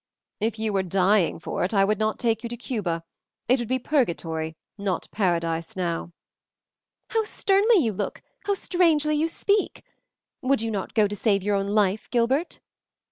"If you were dying for it, I would not take you to Cuba. It would be purgatory, not paradise, now." "How stern you look, how strangely you speak. Would you not go to save your own life, Gilbert?"